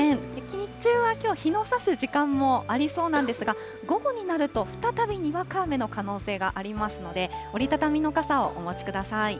日中はきょう、日の差す時間もありそうなんですが、午後になると、再びにわか雨の可能性がありますので、折り畳みの傘をお持ちください。